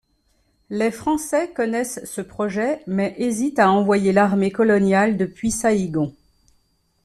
Les Français connaissent ce projet mais hésitent à envoyer l'armée coloniale depuis Saïgon.